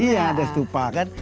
iya ada stupa kan